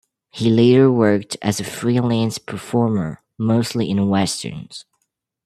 He later worked as a freelance performer, mostly in Westerns.